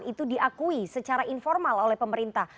itu diakui secara informal oleh pemerintah